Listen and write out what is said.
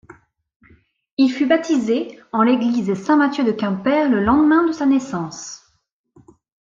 Il fut baptisé en l’église Saint Mathieu de Quimper le lendemain de sa naissance.